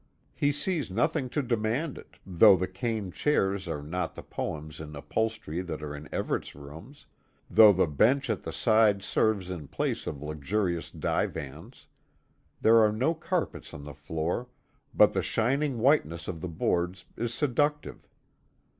He sees nothing to demand it, though the cane chairs are not the poems in upholstery that are in Everet's rooms; though the bench at the side serves in place of luxurious divans. There are no carpets on the floor, but the shining whiteness of the boards is seductive.